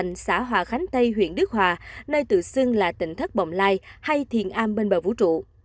tại xã hòa khánh tây huyện đức hòa nơi tự xưng là tỉnh thất bồng lai hay thiền a bên bờ vũ trụ